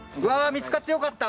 見つかってよかった。